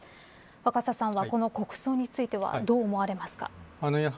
若狭さんはこの国葬についてはどう思われますか。